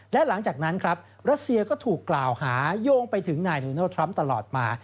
และหลังจากนั้นครับรัสเซียก็ถูกกล่าวหาโยงไปถึงนายโดนัลดทรัมป์ตลอดมา